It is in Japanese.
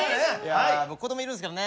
僕子供いるんですけどね。